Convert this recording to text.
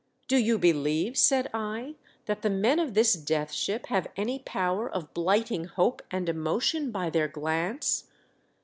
" Do you believe," said I, "that the men of this Death Ship have any power of blighting hope and emotion by their glance